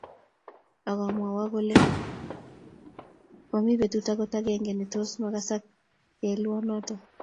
Akamwowok kole momi betut akot agenge netos makasak yeoleweno